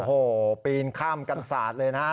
โอ้โหปีนข้ามกันสาดเลยนะฮะ